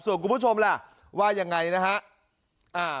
ส่วนคุณผู้ชมล่ะว่ายังไงนะฮะ